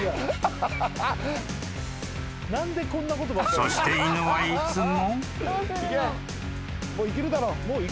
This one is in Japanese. ［そして犬はいつも］